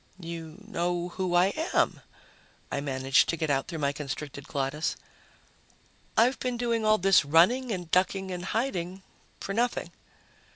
"You know who I am," I managed to get out through my constricted glottis. "I've been doing all this running and ducking and hiding for nothing."